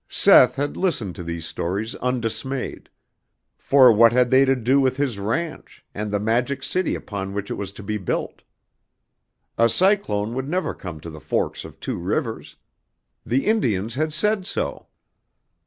Seth had listened to these stories undismayed; for what had they to do with his ranch and the Magic City upon which it was to be built? A cyclone would never come to the forks of two rivers. The Indians had said so.